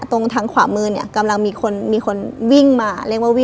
ตรงขวามือกำลังมีคนวิ่งมา